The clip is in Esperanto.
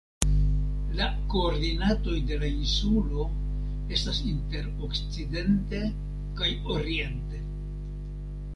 La koordinatoj de la insulo estas inter okcidente kaj oriente.